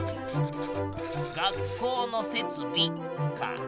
「学校の設備」か！